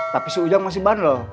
tapi si ujang masih ban lho